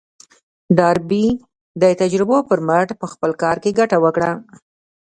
ډاربي د تجربو پر مټ په خپل کار کې ګټه وکړه.